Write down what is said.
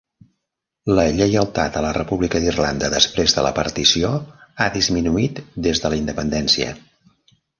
La lleialtat a la República d'Irlanda després de la partició ha disminuït des de la independència.